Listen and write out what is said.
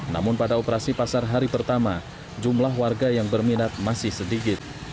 namun pada operasi pasar hari pertama jumlah warga yang berminat masih sedikit